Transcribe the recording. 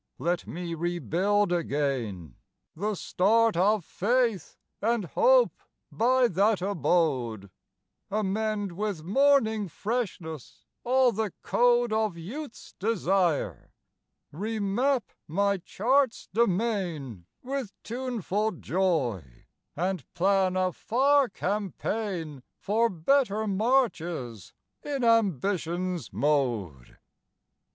Let me rebuild again The start of faith and hope by that abode; Amend with morning freshness all the code Of youth's desire; remap my chart's demesne With tuneful joy, and plan a far campaign For better marches in ambition's mode.